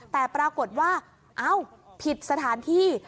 แต่ปรากฏว่าเอ้าผิดสถานที่